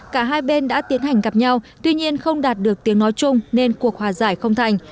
cả hai bên đã tiến hành gặp nhau tuy nhiên không đạt được tiếng nói chung nên cuộc hòa giải không thành